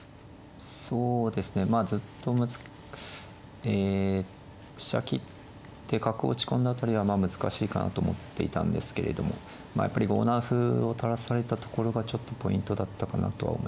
そうですねまあずっとえ飛車切って角を打ち込んだ辺りは難しいかなと思っていたんですけれどもやっぱり５七歩を垂らされたところがちょっとポイントだったかなとは思います。